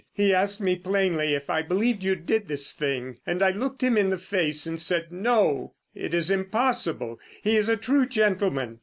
He asked me plainly if I believed you did this thing, and I looked him in the face and said 'No! It is impossible! He is a true gentleman!